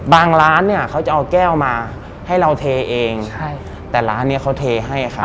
ร้านเนี่ยเขาจะเอาแก้วมาให้เราเทเองใช่แต่ร้านเนี้ยเขาเทให้ครับ